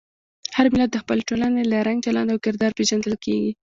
هر ملت د خپلې ټولنې له رنګ، چلند او کردار پېژندل کېږي.